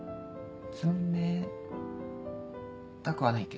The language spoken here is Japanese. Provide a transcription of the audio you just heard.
つめたくはないけど。